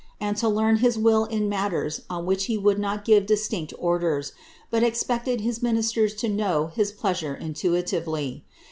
and to learn his will in matters on which he would not give disunci orders, but expected his ministers to know his pleasure iniuiiively.